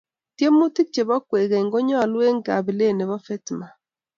tiemutik chebo kwekeny konyoluu eng kabelet nebo fetma